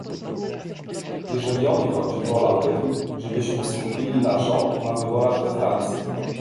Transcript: Jeżeli o mnie chodzi, wolałbym, żebyśmy skupili naszą na wyborach we Francji